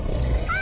あ！